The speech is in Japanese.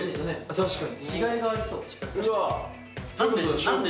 確かに。